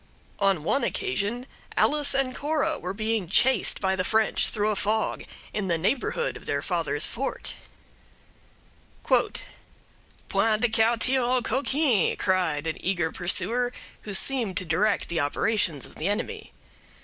On one occasion Alice and Cora were being chased by the French through a fog in the neighborhood of their father's fort: "'Point de quartier aux coquins!' cried an eager pursuer, who seemed to direct the operations of the enemy.